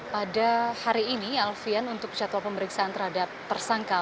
pada hari ini alfian untuk jadwal pemeriksaan terhadap tersangka